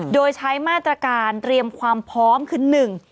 โดยใช้มาตรการเตรียมความพร้อมคือหนึ่ง